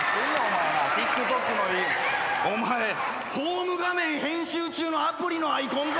お前ホーム画面編集中のアプリのアイコンか！